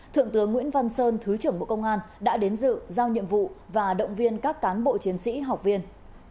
thượng tướng nguyễn văn sơn thứ trưởng bộ công an đã đến dự giao nhiệm vụ và động viên các cán bộ chiến sĩ học viên